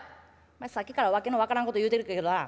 お前さっきから訳の分からんこと言うてるけどな